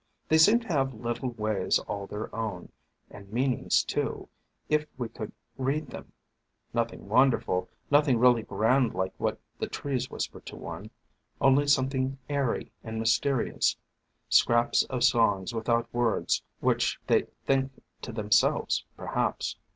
They seem to have little ways all their own, and meanings, too, if we could read them, nothing wonderful, nothing really grand like what the trees whisper to one, only something airy and mysterious, — scraps of songs without words which they think to themselves perhaps."